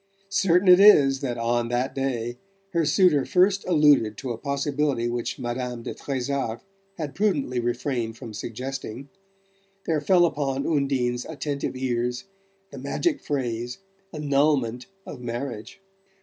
Certain it is that on that day her suitor first alluded to a possibility which Madame de Trezac had prudently refrained from suggesting, there fell upon Undine's attentive ears the magic phrase "annulment of marriage."